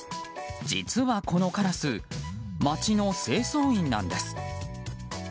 実はこのカラス街の清掃員なんです。